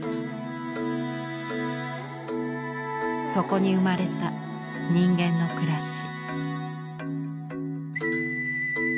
そこに生まれた人間の暮らし。